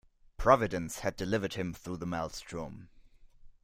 Providence had delivered him through the maelstrom.